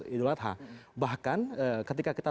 idul adha bahkan ketika kita